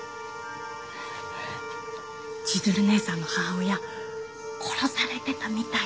千鶴姉さんの母親殺されてたみたいなの。